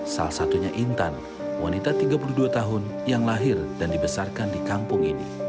salah satunya intan wanita tiga puluh dua tahun yang lahir dan dibesarkan di kampung ini